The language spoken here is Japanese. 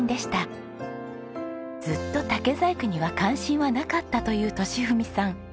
ずっと竹細工には関心はなかったという利文さん。